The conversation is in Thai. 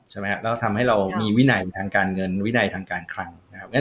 แล้วทำให้เรามีวินัยทางการเงินวินัยทางการคลัง